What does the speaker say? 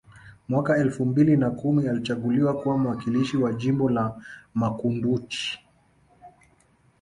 Mwaka elfu mbili na kumi alichaguliwa kuwa mwakilishi wa jimbo la Makunduchi